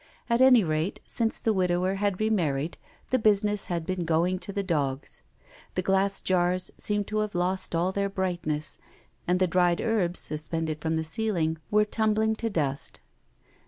At any rate, since the widower had re married, the business had been going to the dogs. The glass jars seemed to have lost all their brightness, and the dried herbs, suspended from the ceiling, were tumbling to dust.